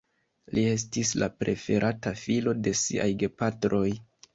Li estis la preferata filo de siaj gepatroj.